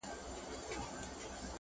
زړۀ او نظر ته وسعتونه بخښي